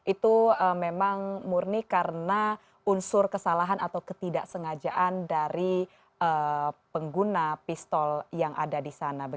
itu memang murni karena unsur kesalahan atau ketidaksengajaan dari pengguna pistol yang ada di sana